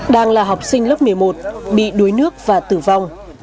đang là học sinh lớp một mươi một bị đuối nước và tử vong